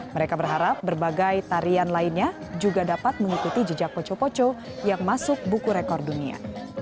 mereka berharap berbagai tarian lainnya juga dapat mengikuti jejak poco poco yang masuk buku rekor dunia